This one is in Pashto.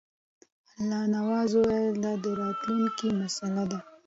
الله نواز وویل دا د راتلونکي مسله ده.